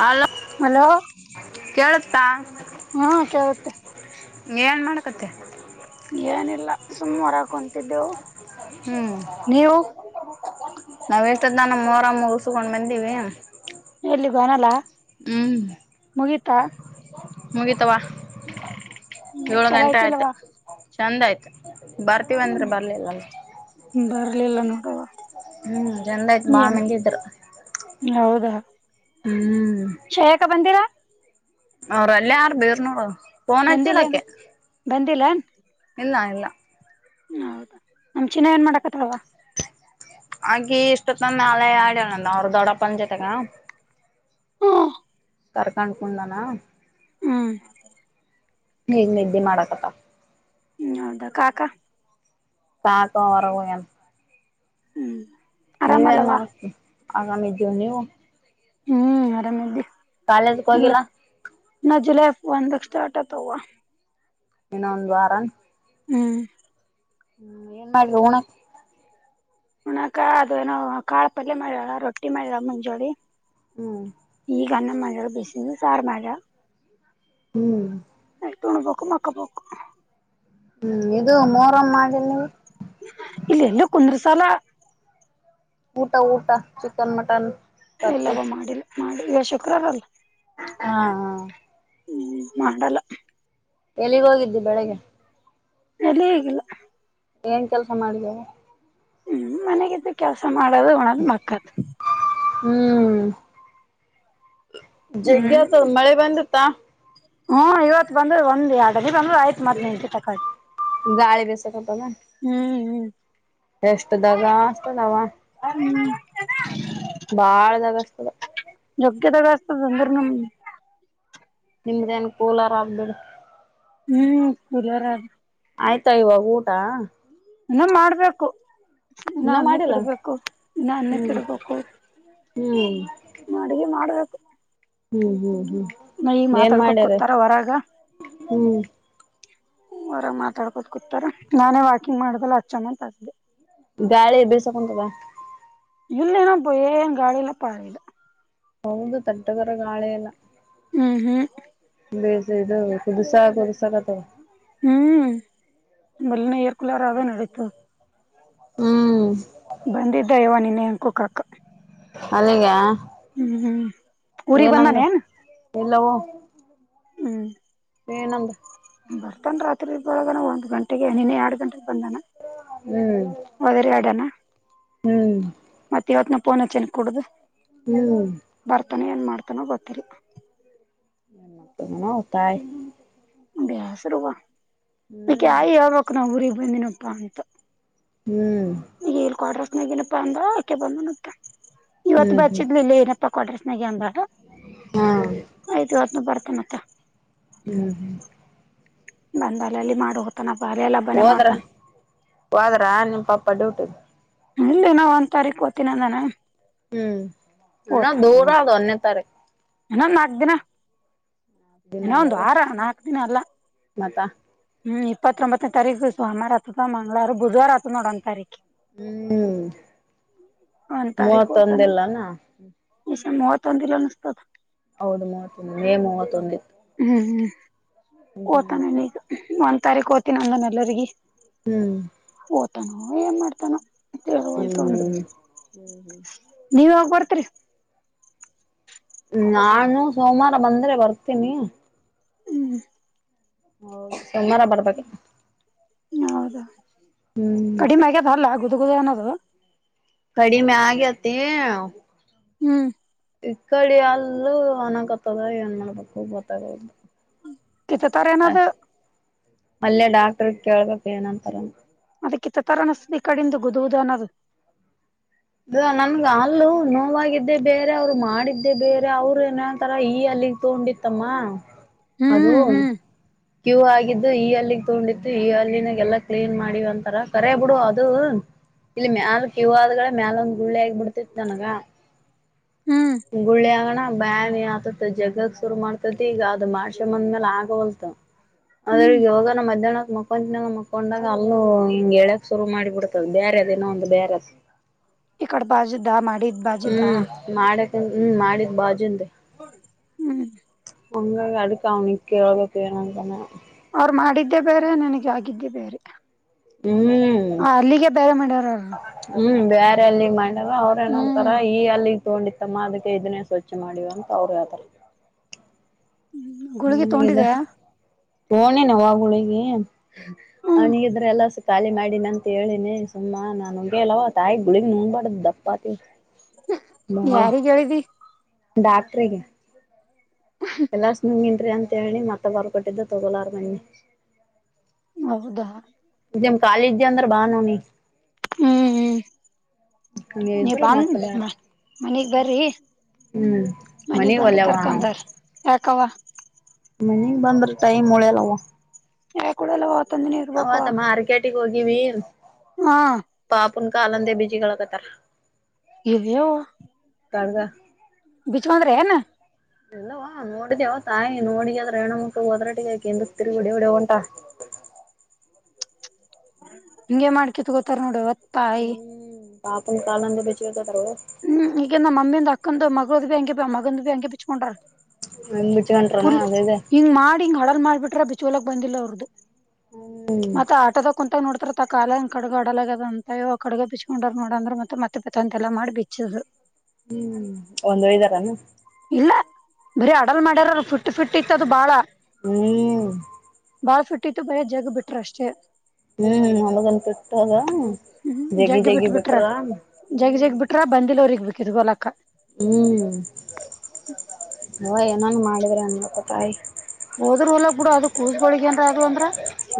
Hello hello ಕೇಳುಸ್ತಾ. ಹ್ಮ್ ಕೇಳುತ್ತೆ. ಎನ್ ಮಾಡಕತ್ತಿ? ಏನಿಲ್ಲ ಸುಮ್ಮ್ ಹೊರಗ್ ಕುಂತಿದ್ದೆವು ಹ್ಮ್ ನೀವು? ನಾವ್ ಎಷ್ಟದನ ಮೋರಮ್ ಮುಗುಸ್ಕೊಂಡ್ ಬಂದಿವಿ. ಎಲ್ಲಿಗೋನಲ್ಲಾ. ಹ್ಮ್ ಮುಗಿತವ. ಏಳು ಚಲೋ ಗಂಟೆ ಆಯ್ತು ಐತಿಲ್ವಾ ಚಂದ ಆಯ್ತು ಬರ್ತೀವ ಅಂದ್ರೆ ಬರ್ಲಿಲ್ಲಲ. ಬರ್ಲಿಲ್ಲ ನೋಡವ್ವ. ಹ್ಮ್ ಚಂದ ಆಯ್ತು ಬಾಳ ಮಂದಿ ಇದ್ರು. ಹೌದಾ ಹ್ಮ್ ಶ್ರೇಯಕ ಬಂದಿಲ್ಲಾ? ಅವ್ರ್ ಅಲ್ಲೇ ಆರ್ ಬೇರ್ ನೋಡ ಬಂದಿಲ್ಲ ಬಂದಿಲ್ಲೇನ್? ಇಲ್ಲ ಇಲ್ಲ. ಹೌದು ನಮ್ ಚಿನ್ನ ಏನ್ ಮಾಡಾಕತ್ತಲವ್ವ. ಆಕಿ ಇಷ್ಟುತ್ತಂದ ನಾಳೆ ಆಡಣಂದ ಅವ್ರ ದೊಡ್ಡಪ್ಪ ಅ ಜೊತೆಗ. ಹಾ ಕರ್ಕಂಡ್ಕುಂದಾನ. ಹ್ಮ್ ಈಗ್ ನಿದ್ದೆ ಮಾಡಾಕತ್ತಳ್. ಹ್ಮ್ ಹೌದಾ ಕಾಕಾ [unintelligible] ಹ್ಮ್ ನೀವೇನ್ ಆರಾಮಲ್ಲವಾ ಮಾಡೀ ಆಗಾಮ ಇದ್ದೀವು ನೀವು? ಹ್ಮ್ ಆರಾಮದಿ. ಕಾಲೇಜಕ್ ಹೋಗಿಲ್ಲ? ನಾ ಜುಲೈ ಒಂದಕ್ ಸ್ಟಾರ್ಟ್ ಅತವ್ವ. ಏನ ಒಂದು ವಾರ? ಹ್ಮ್ ಹ್ಮ್ ಏನ್ ಮಾಡ್ರೂಣ ಹಣಕ ಅದೇಏನೋ ಕಾಳ ಪಲ್ಯ ಮಾಡ್ಯಳ ರೊಟ್ಟಿ ಮಾಡ್ಯ ಮುಂಜೋಳಿ ಹ್ಮ್ ಈಗ ನಮ್ಮ ಮಜಾಗ ಬಿಸ ಸಾರು ಮಜಾ ಹ್ಮ್ ನ ತುಣಬೇಕು ಮಕ್ಕಬೇಕು ಹ್ಮ್ ಇದು ಮೂರಮ್ಮ್ ಮಾಡಿಿಲ್ಲ ನೀವು ಇಲ್ಲ ಎಲ್ಲೂ ಕುಂದ್ರ ಸಾಲ ಊಟ ಊಟ ಚಿಕನ್ ಮಟನ್ ತತ್ತಿ ಎಲ್ಲವ ಮಾಡಿಿಲ್ಲ ಮಾಡಿ ಈಗ ಶುಕ್ರವಾರ ಅಲ್ ಹಾ ಹ ಹ್ಮ್ ಮಾಡಲ್ಲ ಎಲ್ಲಿಗ್ ಹೋಗಿದ್ದು ಬೆಳಿಗ್ಗೆ ಎಲ್ಲಿಗ ಗಿಲ್ಲ ಏನ್ ಕೆಲಸ ಮಾಡಿದವು ಹ್ಮ್ ಮನೆಗಿದ್ದ ಕೆಲ್ಸ ಮಾಡೋದು ಒಣದ್ ಮಕ್ಕತ್ ಹ್ಮ್ ಹ್ಮ್ ಜಗ್ಗೆ್ಯತ ಮಳೆ ಬಂದತ್ತಾ ಹ್ಮ್ ಇವತ್ತು ಬಂದ್ ಒಂದ ಎರಡನೇ ಬಂದ್ರು ಆಯ್ತ್ ನಿಂಟತಿ ತಕಿ ಗಾಳಿ ಬಿಸು ಕತದ ಹ್ಮ್ ಹ್ಮ್ ಎಷ್ಟ ದಾಗ ಅತದಾವ ಹ್ಮ್ಮ ಬಾಳ ದಗಸ್ತದ ದುಕಿಸ್ತಾಡ್ ನಿಂದುರ ನಮ್ದು ನಿಮ್ದೇಏನ್ ಕೂಲರ ಆಗ್ಬಿಡು ಹ್ಮ್ ಕಲಾರ ಆದಾ ಆಯ್ತಾ ಇವಾಗ ಊಟ ಇನ ಮಾಡ್ಬೇಕು ಇ ನ ಇನ್ನ ಅನ್ನೆ ಮಾಡಿಲ್ಲ ಕಡ್ಬೇಕು ಇ ನನ್ನೇ ಕ ಹ್ಮ್ ಇಡ್ಬೇಕು ಹ್ಮ್ ಅಡಿಗೆ ಮಾಡ್ಬೇಕು ಹ್ಮ್ ಹ್ಮ್ ಹ್ಮ್ ನ ಈ ಏನ್ ಮಾತಾಡ್ಕೋ ಮಾಡ್ಯಾರ ಕತಾರ ಹೊರಾಗ ಹ್ಮ್ ಹೊರ ಮಾತಾಡ್ಕೋತ ಕುೂತಾರ ನಾನೇ ವಾಕಿಂಗ್ ಮಾಡ್ದಲ್ಲ ಹಚ್ಚಮ್ಮ ಅಂತ ಅಸಿದೆೆ ಗಾಳಿ ಬಿಳ್ ಸಾಕಂತು ಬ ಇಲ್ಲೇನ ಪ್ಪಾ ಏನ್ ಗಾಳಿಯಲ್ಲಾ ಪಾಿದೆ ಹೌದು ದಡ್ಗರ ಗಾಳೆ ಎಲ್ಲ ಹ್ಮ್ ಹ್ಮ್ ಬೇಜ ಇದು ಕುದುಸಸಕತಾವ ಹ್ಮ್ ಬೆಲ್ಲನ ಏರ್ ಕುಲಾರಗೇ ನಡೀತು ಹ್ಮ್ ಬಂದಿದ್ದ ಇವ ನಿನ್ನೆ ಅ ಕುೋಕಕ್ಕ ಅಲ್ಲಿಗೆ ಹ್ಮ್ ಊರಿಗ್ ಏನಂದ ಬಂದಾನೇನ್ ಎಲ್ಲವೂ ಹ್ಮ್ ಏನಂದ ಬರ್ತಾನ ರಾತ್ರಿ ಇ ಒಳಾನ ಒಂದ್ ಗಂಟೆಗೆ ನಿನ್ನೆ ಎರಡು ಗಂಟೆಗೆ ಬಂದಾನ [unintelligible] ಹ್ಮ್ ಒದರಿ ಆಡನಾ ಹ್ಮ್ ಮತ್ತೆ ಇವತ್ನ ಪಫೋನ ಚೆ ಕುಡುದು ಹ್ಮ್ ಬರ್ತಾನೋ ಏನ್ ಮಾಡ್ತಾನೋ ಗೊತ್ತೀರಿ ಹತಾಯ ಬಸ್ ರುವ ಹ್ಮ್ ಕಾಯಿ ಆಕ್ ನಾ ಊರಿಗೆಗ್ ಬಂದಿನಪ್ಪಾ ಅಂತ ಹ್ಮ್ ಈಲ್ ಕೊಡ್ರಸ್ನಾಗ ಏನಪ್ಪಾ ಅಂದ್ರ ಆಕೆ ಬಂದ ಇವತ್ತು ಹ್ಮ್ ಹ್ಮ್ ಬಚ್ಚಿದ್ಲಿಲ್ಲ ಏನಪ್ಪಾ [unintelligible] ತಕೊೊಂಡ್ರ ಸ್ನಾಗ ಅನ್ಬಡ ಹಾ ಆಯ್ತು ಇತ್ತುನ ಬರ್ತ ಮತ್ತ [unintelligible] ಹ್ಮ್ ಹ್ಮ್ ಬಂದಲ್ಲ ಅಲ್ಲಿ ಮಾಡ್ ಹತನ ಬಾರೆ ಎಲ್ಲ [unintelligible] ಹೋದ್ರ ಹೋದ್ರ ನಿಮ್ಮ ಪಾಪ ಡ್ಯೂಟಿ ಇಲ್ಲಿ ನಾ ಒಂದ್ ತಾರೀಕ ಒಗತೀನಿ ಅಂದನಾ ಹ್ಮ್ ಇನ್ನ ದೂರ ಓತಾನವಾ ಅದು ಒಂದನೇ ತಾರೀಕು ಏನ ನಾಕ್ ದಿನ [unintelligible] ದಿನ ಇನೋ ಒಂದು ಇಲ್ಲವು ವಾರ ನಾಲ್ಕು ದಿನ ಅಲ್ಲ ಮತ್ತ ಹ್ಮ್ ಇಪ್ಪತ್ತೊಂಬತ್ತನೇ ತಾರೀಕು ಸೋಮವಾರ ಆತದ ಮಂಗ್ ರ ಬುಧವಾರ ಆತದ ನೋಡ ಒಂದ್ ರೀು ಹ್ಮ್ ಒಂದ್ ತಾರೀಕ್ ಮೂವತ್ತೊಂದ ಓದ್ತಾನ ಇಲ್ಲಾನ ಈ ಮಹ ತಂದಿರ ಅನುಿಸತತ್ [unintelligible] ಹೌದು ಮೂವತ್ತೊಂದು ಮೇ ಮೂವತ್ತೊಂದ ಹ್ಮ್ ಓತಾನಾನ ಈಗ ಒಂದ್ ತಾರೀಕ್ ಓ್ತೀನ ನಂದಾನ ಎಲ್ಲರಿಗ ಹ್ಮ್ ಓತಾನೋ ಏನ್ ಮಾಡ್ತಾನೋ ವಲ್ ಹ್ಮ್ ತ ಉಂದುು ಹ್ಮ್ ಹ್ಮ್ ನೀವ ಯಾಗ ಬರ್ತ್ರಿ ನಾನು ಸೋಮವಾರ ಬಂದ್ರೆ ಬರ್ತೀನಿ ಹ್ಮ್ ಹ ಸೋಮವಾರ ಬರ್ಬೇಕ ಹೌದಾ ಹ್ಮ್ ಕಡಿಮೆಗ ತರಲ್ಲ ಗುದುಗುದಏನದ ಕಡಿಮೆ ಆಗೇತಿ ಹ್ಮ್ ಈ ಕಡಿ ಅಲ್ಲ ಅನಕತ್ತದ ಏನ್ ಮಾಡ್ಬೇಕು ಗೊತ್ತಾಗ ಕೆತ್ತು ತಾರೆ ಎನದ ಮಲ್ಲೆ ಡಾಕ್ಟರ್ ಕೇಳ್ಬೇಕು ಏನಂತರ ಅದಕ್ಕಿ ತರ ಅನಿಸತದೆ ಈ ಕಡಂದು ಗೂದುವುದು ಅನ್ನೋದು ಇ ನನ್ಗೆ ಅಲ್ಲೂ ನೋವಾಗಿದ್ದೇ ಬೇರೆ ಅವ್ರು ಮಾಡಿದ್ದೇ ಬೇರೆ ಅವ್ರು ಏನ್ಂತಾರ ಈ ಅಲ್ಲಿ ತಗೊಂಡಿ ಮತ್ತಮ್ಮ ಅದು ಹ್ಮ್ ಹ್ಮ್ ಕ್ಯೂ ಆಗಿದ್ದು ಈ ಅಲ್ಲಿಗೆಗ್ ತಗೊಂಡಿತ್ತು ಈ ಅಲ್ಲಿನಾಗ ಎಲ್ಲಾ ಕ್ಲೀನ್ ಮಾಡಿ ಒಂತರ ಕರಿ ಬಿಡು ಅದು ಇಲ್ಲಿ ಮ್ಯಾಲ ಕವ ಆದಗಳ ಮ್ಯಾಲ ಒಂದ್ ಗುಳ್ಳಿ ಆಗಬ ಬಿಡ್ತಿತ್ತು ನನಗ ಹ್ಮ್ ಗುಳ್ಳಿ ಆಗಣ ಬ್ಯಾನಿ ಆತತ ಜಗಗ್ ಶುರು ಮಾಡ್ತದ ಈಗ ಅದು ಮಷೆ ಮಂದ್ ಮೇಲೆ ಆಗವಲ್ತ ಅದ್ರ ಹ್ಮ್ ಯವಾಗ ನಮ್ಮ ಮಧ್ಯಾಹ್ನಕ್ ಮಕೊಂತಿನ ಮಕೊಂಡಾಗ ಅಲ್ಲ ಹಿಂಗ ಹೇಳ್ಯಕ್ ಶುರು ಮಾಡಿಬಿಡತ ಬೇರೆದೇನೊ ಒಂದು ಬೇರೆ ಇಕಡ ಪುದ ಮಾಡಿ ಹ್ಮ್ ಮಾಡಕ ಹ್ಮ ಮಾಡಿದ್ ಬಾಜುನ್ೀ ಹೋ ಹಂಗ ಅಡುಕ್ಕ ಅವ್ನಕ್ಕ ಹಳೋಗತಣಂತಾನೆ ಅವ್ರು ಮಾಡಿದ್ದೇ ಬೇರೆ ನನಗ ಆಗಿದ್ದೇ ಬೇರೆ ಹ್ಮ್ ಹ ಅಲ್ಲಿಗೆ ಬೇರೆ ಮಾಡ್ಯಾರರು ಹ್ಮ್ ಬೇರೆ ಅಲ್ಲಿ ಮಾಡವ ಅವ್ರ ಏನಂತಾರ ಹ್ಮ್ ಈ ಅಲ್ಲಿ ತಗೊಂಡಿಿತಮ್ಮ ಅದಕ್ಕೆ ಇದನ್ನೇ ಸ್ವಚ್ಛ ಮಾಡಿವ್ ಅಂತ ಅವ್ರು ಹೇತಾರೆ ಗುಳಗಿ ಅವನಗಿದ್ದ ತಗೊಂಡಿದೆ ೋಣಿ ನಾವಾಗುಳಿಗೆ ಹ್ಮ್ ಅವನಿಗಿದ್ರೆ ಎಲ್ಲ ಖಾಲಿ ಮಾಡಿಿನ ಅಂತ ಹೇಳಿನಿ ಸುಮ್ಮಾ ನಾುಗಗೆ ಅಲ್ಲವ ತಾಯಿ ಗುಳಿಗ್ ನುಂಗ್ಬಾರಡ್ದ್ ದಪ್ಪಾತಿ ನಾ ಯಾರಿಗ್ ಹೇಳಿದಿ ಡಾಕ್ಟ್ರಿಗೆ ಎಲ್ಲ ನುಂಗನ್ರಿ ಅಂತ ಹೇಳಿ ಮತ್ತ ಬರ್ಕೊಟ್ಟಿದ್ದ ತೊಗೋಲಾರ ಬನ್ನಿ ಹೌದಾ ಜಮ ಕಾಲೇಜ ಅಂದ್ರ ಬಹ್ ಹ ನೀಿ ಹ್ಮ್ ಹ್ಮ್ ಹಂಗೆ ನೀ ಇದ್ರ ಬಂದ ಮತ್ತ ಬ್ಯಾಡ ಮನಗ್ ಬರ್ರಿ ಹ್ಮ್ ಮನ ಮನಿಗ್ ಬಂದ ಒಲ್ಯವ ಕಕ ಅಂದ ಯಕವಾ ಮನೆಗ್ ಬಂದ್ರ ಟೈಮ್ ಒಳ್ಯಲ್ವಾ ಯ ಕೂಡ ಎಲ್ಲ ಅವತ್ತೊಂದಿನೇ ಇರ್ಬೇಕು ಕೇಟಿಗೆ ಹೋಗಿವಿ ಹಾ ಪಾಪುನ್ ಕಾಲಂದೆ ಬಿೀಜಿಗಳು ಹಕತ್ತಾರ ಇದೋ ಕಡ್ಗ ಬಿಚೋಂದ್ರೆ ನ ಇಲ್ಲವಾ ನೋಡಿದವ ತಾಯಿ ನೋಡಗ ಅದ್ರೆ ಹೆಣ್ಣ ಮುಕ್ಳು ಹೋದ್ರಾಟಗಕಂದ ತಿರಿಗಡಿ ಹೊಡಿವಂಟ ಹಿಂಗ ಮಾಡಕಿತ್ ಗೊತಾರ ನೋಡುವತ್ ಹ್ಮ್ ಬಾಪು ಕನಂದ ಬಚಬೇಕತವ ಹ್ಮ್ ಈಗಂದ ಮಮ್ಮಿ ಒಂದು ಅಕ್ಕಂದು ಮಗಗಳು ಬಿಯಾಂಗೆ ಮಗನ್ ಭ್ಯಾಂಗೆಚ್ಕೊಂಡ್ರ ಹೆಂಗ್ ಬಿಚ್ಕೊಂಟ್ರನ ಪುಲ್ ಅದೇದೆ ಹಿಂಗ ಮಾಡಿ ಹಿಂಗ್ ಹಡರ್ ಮಾಡಬಿಟ್ಟ ಬಿೋಲಕ್ ಬಂದಿಲ್ಲ ಅವ್ರದದುು ಹ್ಮ್ ಮತ್ತ ಆಟೋದ ಕುಂತಾಗ ನೋಡ್ತಾರ ತಾ ಕಾಲ ಕಡಗ ಆಡಲ ಅದ ಅಂತ ಕಡೆಗೆ ಬಿಚ್ಕೊಂಡ್ ನೋಡಂದ್ರ ಮತ್ತ ಮತ್ತೆ ಅಂತೆ ಎಲ್ಲ ಮಾಡ ಬಿ ಚ ಹ್ಮ್ ಒಂದ್ ವೈದಾರಾನ ಇಲ್ಲ ಬರೀ ಅಡಲ್ ಮಾಡ್ಯಾರ ಫಿಟ್ಟ ಫಿಟ್ಟ ಇತ್ತದು ಬಾಳ ಹ್ಮ ಹ್ಮ್ ಬಾಳ್ ಫುಟ್ಟಿತ್ತು ಬರ ಜಗ್ ಬಿಟ್ರ ಅಷ್ಟೇ ಹ್ಮ್ ನಮಗನ್ ಬಿಟ್ಟಾಗ ಹ್ಮ್ ಜಗ್ಗಿ ಜಗ್ಗಿ ಬಿಟ್ರ ಹ್ಮ ಅ ಬಂದಿಲ್ಲೋರರಿಗೆಗ್ ಬೇಕಿದ್ ಗೋಲಕ್ಕ ಹ್ಮ್ ಹ ಏನಂಗ ಮಾಡಿದ್ರ ಅನ್ಪ್ಪ ತಾಯಿ ಹೋದ್ರರು ಹೊಲ ಬಿಡ ಅದ ಕೂಸಗಳೊಳಗೇಏರ ಅದು ಅಂದ್ರ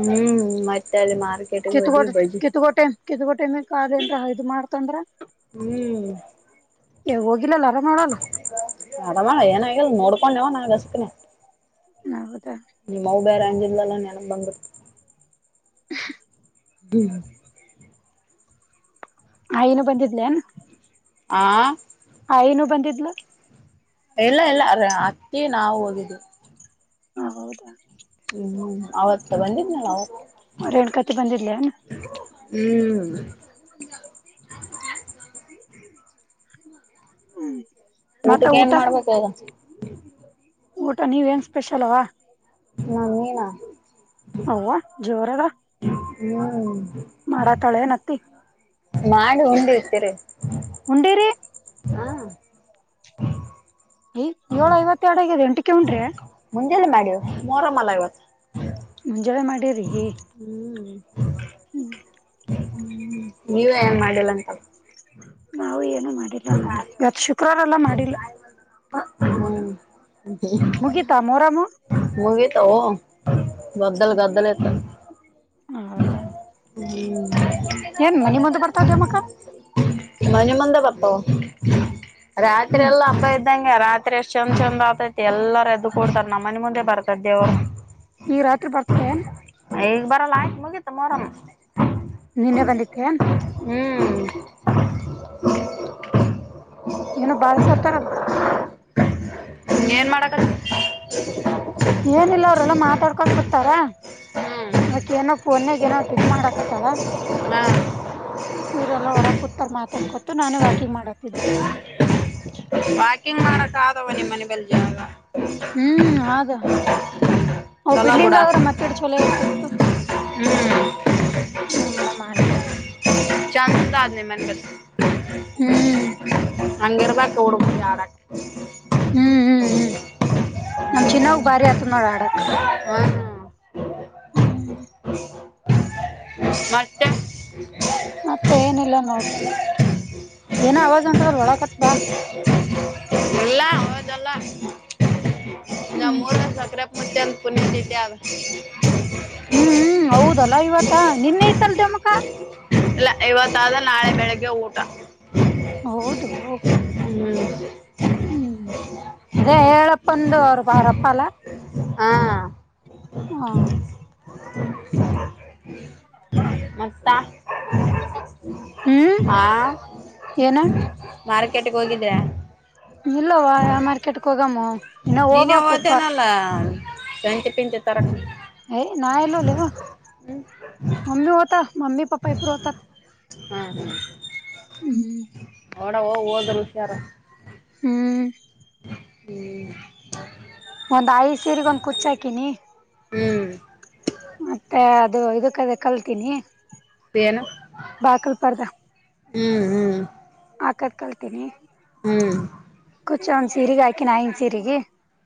ಹ್ಮ್ ಮತ್ತೆ ಅಲ್ಲಿ ಮಾರ್ ಕಿತ್ಕೋ ಕಿತ್ಕೋ ಟಮ ಕಿತ್ಗೋ ಟೈಮಕ್ ಆದಲ್ಲ ಇದದು ಮಾಡ್ತಂದ್ರ ಹ್ಮ್ ಯ ಹೋಗಿಲ್ಲಲ್ಲ ಆರಾಮ ಮಾಡಲ್ಲ ಅರಮಳ ಏನಾಗಿಲ್ ನೋಡ್ಕೊಂಡೆವ ನಾ ಅಸಕನೆ ನೌದಾ. ನಿಮ್ಮವ್ವ ಬೇರೆ ಅಂದಿದ್ಲಾಲ ನೆನಪು ಬಂದುಬು ಹ ಡು. ಹಈ ಯಿನು ಬಂದಿದ್ಲೇನ್. ಆ. ಆಈ ಯಿನು ಬಂದಿದ್ಲು. ಇಲ್ಲ ಇಲ್ಲ ಅರ್ ಅಕ್ಕಿ ನಾವು ಹೋಗೀದು. ಹ ಹೌದಾ. ಹ್ಮ್ ಅವತ್ತ ಬಂದಿದ್ನಲ ರೇಣ ಕತಿ ಬಂದಿದಿಲ್ಲೇನ್. ಹ್ಮ್. ಹ್ಮ್ [unintelligible] ಮತ್ತ ಊಟಕ್ಕೆ ಏನ್ ಊಟ ಮಾಡ್ಬೇಕು ಇಗ. ಊಟ ನೀವೇಏನ್ ಸ್ಪೆಷಲ್ವಾ. ನ ನೀನಾ. ಅವ್ವ ಜೋರ ಅದಾ. ಹ್ಮ. ಮಾಡ ತಾಳೆಯೆನ್ ಅತ್ತೀ. ಮಾಡ ಉಂಡ ಇರ್ತೀರಿ. ಉಂಡೇರಿ. ಹಾ. ಹ [inaudible] ಈ ಏಳು ಐವತ್ರೆಡು ಆಗ್ಯದ ಎಂಟಕ್ಕೆ ಉಂಡ್ರೆ. ಮುಂಜೆಲ್ಲ ಮಾಡ್ಯವ ಮೋರ ಮಲ ಇವತ್ತು. ಮುಂಜಾವೆ ಮಾಡ್ ರೀ ಹ್ಮ್. ಹ್ಮ ನೀವ ಏನ್ ಮಾಡಿಲ್ಲ ಅಂತಲಾ. ನಾವು ಏನು ಮಾಡಿಲ್ಲ ನೋಡ ಇವತ್ ಶುಕ್ರವಾರಲ್ಲಾ ಮಾಡಿಲ್ಲ. ಹ್ಮ ಮುಗಿತಾ ಮೋರಾಮು ಹಗತ ಗದ್ದಲ ಗದ್ದಲತ ಹೌದಾ ಹ್ಮ್ ಏನ್ ಮನಿ ಮುಂದೆ ಬರ್ತದೆ ಮಕ್ಕ ಮನ ಮಂದ ಬಪ್ಪು ರಾತ್ರಿ ಹ್ಮ್ ಎಲ್ಲ ಅಪ್ಪ ಇದ್ದಂಗೆ ರಾತ್ರಿ ಅಷ್ಟ್ ಚಂದ ಚಂದ ಆತೈತಿ ಎಲ್ಲಾರ ಎದ್ದ ಕೊಡ್ತಾರ ನಮ್ಮ ಮನೆ ಮುಂದೆ ಬರ್ತದ ದೇವು ಈಗ ರಾತ್ರಿ ಬರ್ತದೆ ಏನ್ ಈಗ ಬರಲ್ಲ ಆಯ್ತು ಮುಗೀತ ಮರಮ್ಮ ನಿನ್ನೆ ಬಂದಿಕ್ಕೆ ಹ್ಮ್ ಏನೋ ಬಾಳ್ಸತಾರಲ್ಲ ಹ ಏನ್ ಮಾಡಾಕತ್ [inaudible] ಏನಿಲ್ಲ ಅವರೆಲ್ಲ ಮಾತಾಡ್ಕೊೊಂಡು ಕುೂತಾರ ಹ್ಮ್ ಆಕೆ ಏನೋ ಪೋನಾಗ ಏನೋ ಇದ್ ಮಾಡಾಕತ್ತಾಳ. ಹಾ ಇವ್ರಲ್ಲ ಹೊರಗ್ ಕೂತಾರ್ ಮಾತಾಡ್ಕೊತು ನಾನೇ ವಾಕಿಂಗ್ ಮಾಡ್ ವಾಕಿಂಗ್ ಮಾಡಕ್ ಆದವನೇ ಮನೆ ಬೆಲ್ಯಾ ಅನ್ನೂ ಹ್ಮ್ ಹಾಗು ಹ ಚಲೋ ಬುಡ ಬಿಲ್ಡಿಂಗ್ ಆದ್ರೆ ಮತ್ತಿಡ್ ಛಲೋ ಇರ್ತಿತ್ತು. ಹ್ಮ್ ಏನ್ ಮಾಡನ ಆಗಿಲ್ಲ. ಚಂದ ಅದಿ ನಿಮ್ ಮನ್ದೂ ಹ್ಮ್ ಹಂಗಿರ್ಬೇಕ್ ಹುಡಗರಿಗ್ ಆಡಕ. ಹ್ಮ್ ಹ್ಮ್ ಹ್ಮ್ ನಮ್ ಚಿನ್ನಾವಗ್ ಬಾರಿ ಆತಂದ್ ನೋಡ ಆಡಕ್ ಹ್ಮ್ ಹ್ಮ್ ಮತ್ತೆ [unintelligible] ಮತ್ತೆ ಏನಿಲ್ಲ ನೋಡು. [unintelligible] ಹ್ಮ್ ನಮ್ಮೂರಗ [unintelligible] ಪುಣ್ಯತಿಥಿಯಗ ಹ್ಮ್ ಹ್ಮ್ ಹೌದಲ್ಲಾ ಇವತ್ತ ನಿನ್ನೆ ಇತಲ್ಲ ದೆಮಕ ಇಲ್ಲ ಇವತ್ತಾದ ನಾಳೆ ಬೆಳಿಗ್ಗೆ ಊಟ. ಹೌದು ಹ್ಮ್ ಹ್ಮ್ ಅದೇ ಹೇಳಪ್ಪಂದು ಅವ್ರ ಅವರಪ್ಪ ಅಲ್ಲಾ. ಹಾ ಹಾ [unintelligible] ಹಾ [unintelligible] ಮತ್ತ ಹ್ಮ್ ಹಾ ಏನ ಮಾರ್ಕೆಟ್ಗೆ ಹೋಗಿದ್ದೆ. ಇಲ್ಲವಾ ಮಾರ್ಕೆಟ್ ಗೆ ಹೋಗಮ್ಮೂ ಇನ್ನ ಹೋಗಬೇಕ್ ಕರ್ ಹಲ [unintelligible] ಕಂತೆ ಪೀಂ [unintelligible] ತ ತರಕ್ಕ ಏಯ್ ನಾ ಓಲ್ಲೇ ಲೇ ಮಮ್ಮಿ ಹೊತಾರ ಮಮ್ಮಿ ಪಾಪಾ ಇಬ್ಬರು ಹೊತಾರ ಹ್ಮ್ ಹ್ಮ್ ಹ್ಮ್ ಹೋಡ ಹೊದರೂ ಹುಷಾರ. ಹ್ಮ್ ಹ್ಮ್ ಒಂದ್ ಐದ್ ಸೀರಿಗ್ ಒಂದ್ ಕುಚ್ಚ್ ಹಾಕಿನಿ. ಹ್ಮ್ ಮತ್ತೆ ಅದು ಇದಕ್ಕದ್ ಕಲ್ತೀನಿ. ಏನೂ ಬಾಕಲ್ ಪರ್ದ ಹ್ಮ್ ಹ್ಮ್ ಹಾಕಕ್ ಕಲತೀನಿ ಹ್ಮ್ ಕುಚ್ ಒಂದ್ ಸೀರೆಗಿ ಹಾಕಿನಿ ಆನಾಯನ್ ಸೀರಿಗಿ.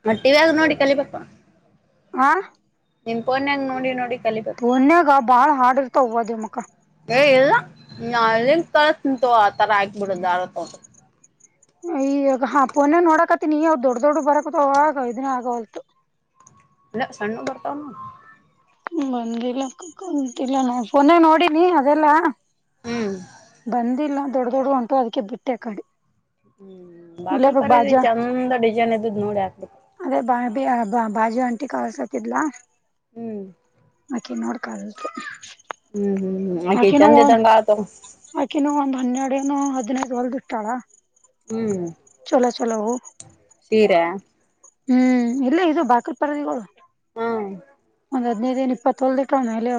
ಮತ್ತೆ ಟಿವಿ ಲ್ಲಿ ನೋಡಿ ಕಲಿಬೇಕೊ. ಹಾ ನಿನ್ ಪೋನ್ಯಾಗ್ ನೋಡಿ ನೋಡಿ ಕಲಿಬೇಕು ಪೊನ್ಯಾಗ ಬಾಳ ಹಾಡ್ರ್ ಇರ್ತಾವ್ ಹವ ದೇವಮಕ್ಕ. ಲೇ ಇಲ್ಲ ನನ್ ಲಿಂಕ್ ಕಳಸ್ತೀನಿ ತೊಗೊ ಆತರ ಆಕ್ಬಿಡ್ ದಾರಿ ತಗೊಂಡ್ ಇವಾಗ ಆ ಪೋನೆ ನೋಡಾಕತ್ತಿನಿ ಯಾವ್ದ್ ದೊಡ್ಡ ದೊಡ್ ಬರಕತವಾಗ ಇದನ್ ಆಗವಲ್ದೂ. ಅ ಸಣ್ಣು ಬರ್ತಾವ ಬಂದಲ್ಲ ಕುಂತಿಲ್ಲ ನಾ ಫೋನೇ ನೋಡಿನಿ ಅದೆಲ್ಲಾ ಹ್ಮ್ ಬಂದಿಲ್ಲ ದೊಡ್ಡ ದೊಡ್ಡ ಉಂಟು ಅದ್ಕ್ ಬಿಟ್ಟೆ ಕಡಿ ಹ್ಮ್ ಬಾಕಲ್ ಪರದ ಚಂದ ಡಿಸೈನ್ ಇದ್ದುದು ನೋಡಿ ಹಾಕ್ಬೇಕು ಅದೇ ಬ ಬಾಜಿ ಆಂಟಿ ಕಸತಿದ್ಲಾಕ ಹ್ಮ್ ನೋಡ್ ಹ ಹ್ಮ್ ಹ್ಮ್ ಹ್ಮ್ ಆಕಿ ಚಂದ ದಂಗಾತ ಆಕೆನು ಒಂದ್ ಹನ್ನೆರಡೆನು ಹದಿನೈದು ಹೊರಡಿತ್ತಾ ಹ್ಮ್ ಚಲೋ ಚಲೋ ಸೀರಾ ಹ್ಮ್ ಇಲ್ಲಿ ಇದು ಬಾಕಲ್ ಪರದಿಗಳು ಹ್ಮ ಒಂದ್ ಹದಿನೈದು ಇಪ್ಪತ್ತೊಲ್ದಟೋ ಅಲೋ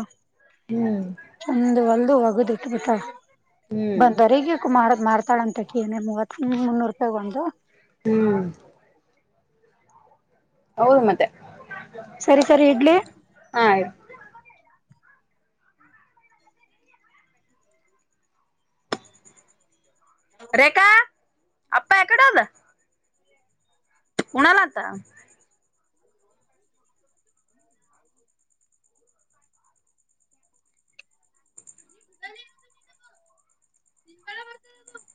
ಹ್ಮ್ ಚಂದು ವಲ್ದು ಒಗದು ಉಟ್ ಬಿಟ್ಟ ಹ್ಮ್ ಬಂದ ರೀಗಕ ಮಾಡದ್ ಮಾಡ್ತಾಳ ಅಂತಕ್ಕನ ಮೂವತ್ ಮುನ್ನೂರು ರೂಪಾಯಿ ಒಂದು ಹ್ಮ್ ಅವರು ಮತ್ತೆ ಸರಿ ಸರಿ ಇಡ್ಲಿ. ಹ ಆ್ತ [inaudible] ರೇಖಾ ಅಪ್ಪ ಎಕಡೆ ಓದ ಕುಣಾಲತ [unintelligible] [unintelligible]